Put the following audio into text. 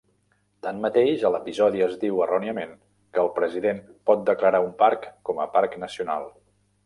Tanmateix, a l'episodi es diu erròniament que el president pot declarar un parc com a parc nacional.